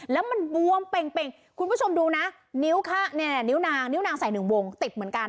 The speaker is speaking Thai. แล้วมันบวมเปร่งคุณผู้ชมดูนะนิ้วนางใส่๑วงติดเหมือนกัน